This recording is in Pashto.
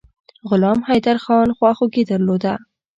غلام حیدرخان خواخوږي درلوده.